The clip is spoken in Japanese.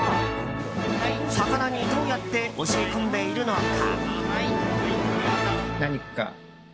魚に、どうやって教え込んでいるのか。